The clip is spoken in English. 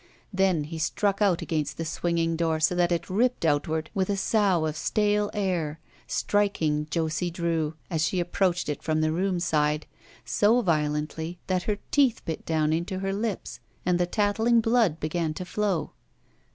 Then he struck out against the swinging door so that it ripped outward with a sough of stale air, striking Josie Drew, as she approached it from the room side, so violently that her teeth bit down into her lips and the tattling blood began to flow.